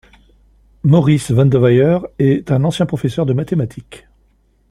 Maurice Vandeweyer est un ancien professeur de mathématiques.